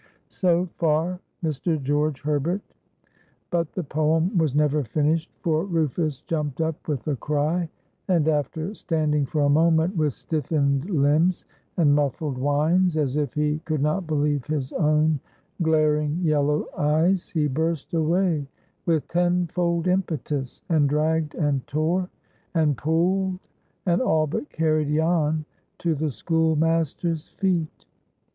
So far Mr. George Herbert; but the poem was never finished, for Rufus jumped up with a cry, and after standing for a moment with stiffened limbs, and muffled whines, as if he could not believe his own glaring yellow eyes, he burst away with tenfold impetus, and dragged, and tore, and pulled, and all but carried Jan to the schoolmaster's feet.